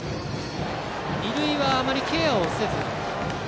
二塁はあまりケアをせず